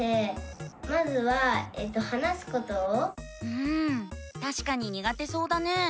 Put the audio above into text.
うんたしかににがてそうだね。